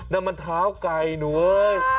นั่นมันเท้าไก่หนูเอ้ย